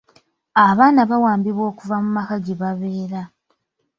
Abaana bawambibwa okuva mu maka gye babeera.